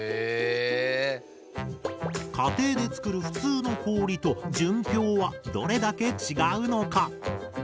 家庭で作る普通の氷と純氷はどれだけ違うのか？